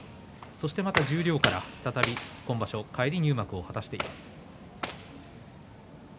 そして、また十両から今場所返り入幕を果たしています。